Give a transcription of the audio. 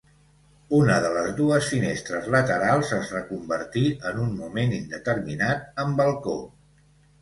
Una de les dues finestres laterals es reconvertí en un moment indeterminat en balcó.